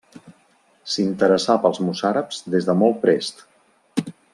S'interessà pels mossàrabs des de molt prest.